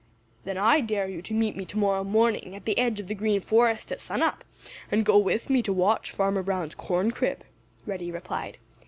"Then I dare you to meet me to morrow morning at the edge of the Green Forest at sun up and go with me to watch Farmer Brown's corn crib," Reddy replied.